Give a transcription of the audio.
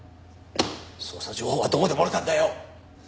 捜査情報はどこで漏れたんだよ！？